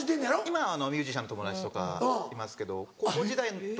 今はミュージシャンの友達とかいますけど高校時代とか。